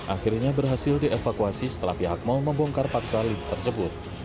akhirnya berhasil dievakuasi setelah pihak mal membongkar paksa lift tersebut